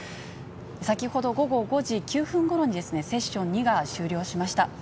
先ほど午後５時９分ごろにですね、セッション２が終了しました。